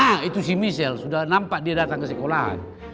hah itu si misel sudah nampak dia datang ke sekolah